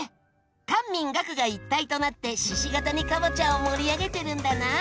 官民学が一体となって鹿ケ谷かぼちゃを盛り上げてるんだな。